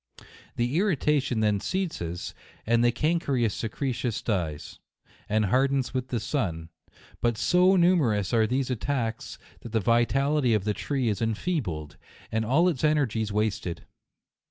The irri tation then ceases, and the cankerous secre tion dies, and hardens with the sun 5 but so numerous are these attacks, that the vitality of the tree is enfeebled, and all its energies wasted.